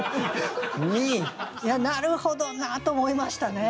なるほどなと思いましたね。